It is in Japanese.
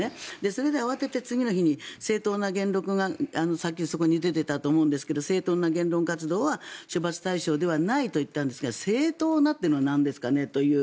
それで慌てて次の日に正当な言論がさっきそちらに出ていましたが正当な言論活動は処罰対象ではないと言ったんですが正当なというのはなんですかねという。